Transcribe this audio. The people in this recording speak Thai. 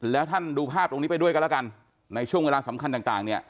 แล้วท่านดูภาพตรงนี้ไปด้วยกันแล้วกันในช่วงเวลาสำคัญต่างเนี่ย